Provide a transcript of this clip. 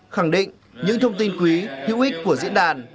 khẳng định những thông tin quý hữu ích của diễn đàn